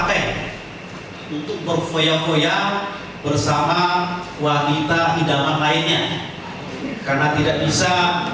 bersama wanita pidana lainnya